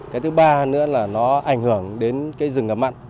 cái thứ ba nữa là nó ảnh hưởng đến cái rừng ngập mặn